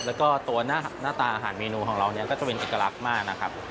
แล้วก็ตัวหน้าตาอาหารเมนูของเราเนี่ยก็จะเป็นเอกลักษณ์มากนะครับ